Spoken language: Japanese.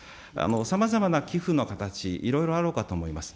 さまざまな寄付の形、いろいろあろうかと思います。